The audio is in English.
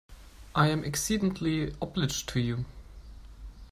I am exceedingly obliged to you.